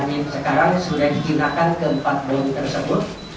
dan sekarang sudah digunakan keempat bom tersebut